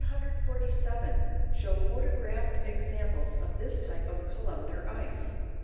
145, 146 and 147, show photographed examples of this type of columnar ice, No.